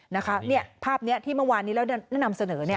ภาพที่เหมือนกันที่มาวานนี้น้ำเสนอ